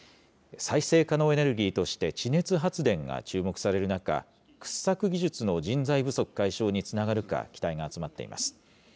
再生可能エネルギーとして地熱発電が注目される中、掘削技術の人材不足解消につながるか期待が集まっています。